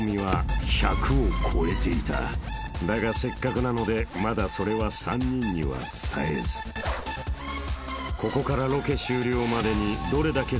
［だがせっかくなのでまだそれは３人には伝えずここからロケ終了までに］